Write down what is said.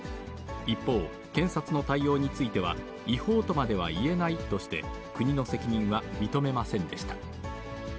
一方、検察の対応については、違法とまでは言えないとして、国の責任は認めませんでした。